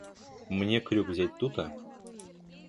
Мне крюк взять тута.